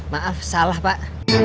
maaf salah pak